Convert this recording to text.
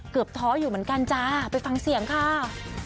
ท้ออยู่เหมือนกันจ้าไปฟังเสียงค่ะ